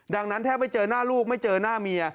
ดังนั้นแทบไม่เจอหน้าลูกไม่เจอหน้าเมีย